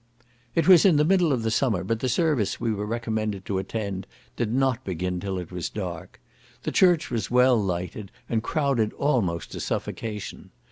It was in the middle of summer, but the service we were recommended to attend did not begin till it was dark. The church was well lighted, and crowded almost to suffocation.